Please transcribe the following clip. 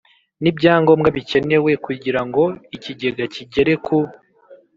n ibyangombwa bikenewe kugira ngo Ikigega kigere ku